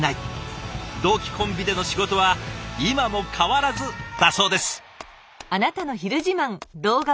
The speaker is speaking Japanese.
同期コンビでの仕事は今も変わらずだそうです。